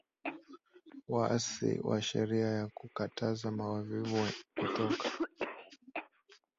waasi na sheria ya kukataza wavuvi kutoka